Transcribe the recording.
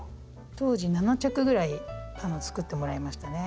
当時７着ぐらい作ってもらいましたね。